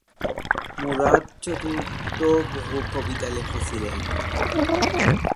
মুরাদ চতুর্থ বহু কবিতা লিখেছিলেন।